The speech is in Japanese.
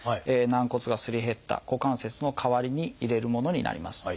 軟骨がすり減った股関節の代わりに入れるものになります。